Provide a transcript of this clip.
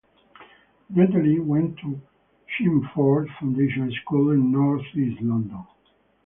Natalie went to Chingford Foundation School in north east London.